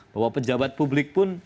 bahwa pejabat publik pun